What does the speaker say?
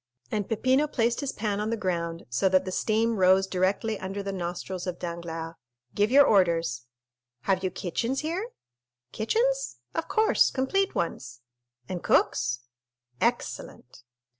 And Peppino placed his pan on the ground, so that the steam rose directly under the nostrils of Danglars. "Give your orders." "Have you kitchens here?" "Kitchens?—of course—complete ones." "And cooks?" "Excellent!"